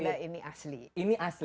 apalagi tidak ini asli